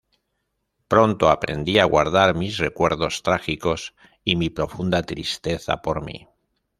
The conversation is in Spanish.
Pronto aprendí a guardar mis recuerdos trágicos y mi profunda tristeza por mí.